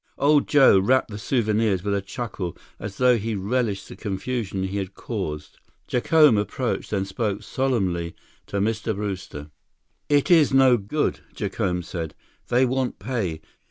Old Joe wrapped the souvenirs with a chuckle, as though he relished the confusion he had caused. Jacome approached and spoke solemnly to Mr. Brewster. "It is no good," Jacome said. "They want pay.